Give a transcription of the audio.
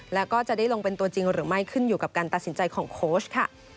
แล้วก็จะได้ลงเป็นตัวจริงหรือไม่ขึ้นอยู่กับการตัดสินใจของโค้ชค่ะ